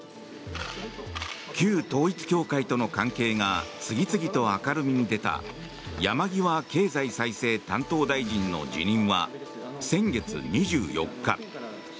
旧統一教会との関係が次々と明るみに出た山際経済再生担当大臣の辞任は先月２４日。